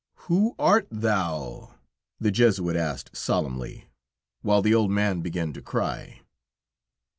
"Who art thou?" the Jesuit asked solemnly, while the old man began to cry.